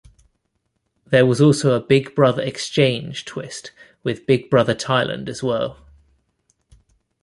There was also a "Big Brother Exchange" twist with Big Brother Thailand as well.